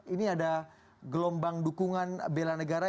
ini ada gelombang dukungan bela negara